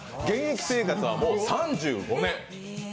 現役生活は３５年。